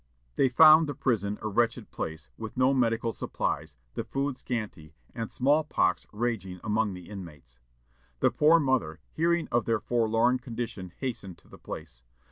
They found the prison a wretched place, with no medical supplies; the food scanty, and small pox raging among the inmates. The poor mother, hearing of their forlorn condition, hastened to the place.